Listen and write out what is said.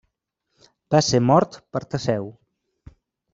Va ser mort per Teseu.